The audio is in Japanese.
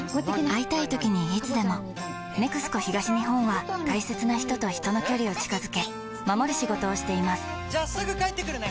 会いたいときにいつでも「ＮＥＸＣＯ東日本」は大切な人と人の距離を近づけ守る仕事をしていますじゃあすぐ帰ってくるね！